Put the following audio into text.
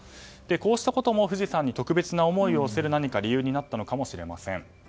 こうしたことも富士山に特別な思いを寄せることになったのかもしれません。